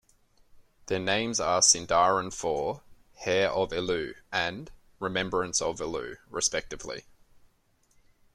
Their names are Sindarin for "Heir of Elu" and "Remembrance of Elu", respectively.